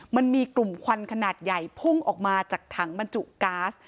มันมีกลุ่มควันขนาดใหญ่พุ่งออกมาจากถังบรรจุก๊าซ